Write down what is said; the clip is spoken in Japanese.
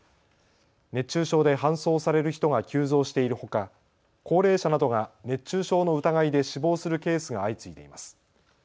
熱中症で搬送される人が急増しているほか、高齢者などが熱中症の疑いで死亡するケースが相次いでいます。